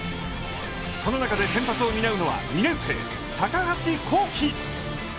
その中で先発を担うのは２年生高橋煌稀！